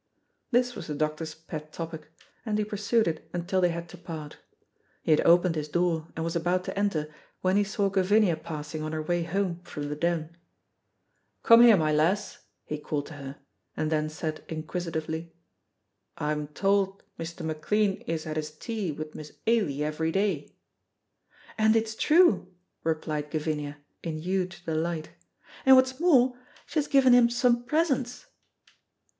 This was the doctor's pet topic, and he pursued it until they had to part. He had opened his door and was about to enter when he saw Gavinia passing on her way home from the Den. "Come here, my lass," he called to her, and then said inquisitively, "I'm told Mr. McLean is at his tea with Miss Ailie every day?" "And it's true," replied Gavinia, in huge delight, "and what's more, she has given him some presents."